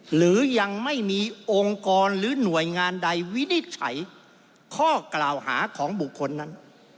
หรือยังไม่มีองค์กรหรือหน่วยงานใดวินิจฉัยข้อกล่าวหาของบุคคลนั้น